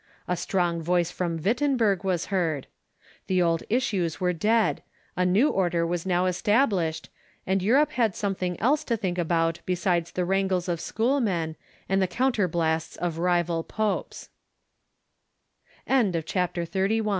A strong voice from Wittenberg Avas heard. The old issues were dead. A new order was now established, and Europe had something else to think about besides the wrangles of schoolmen and the counterblasts of rival pope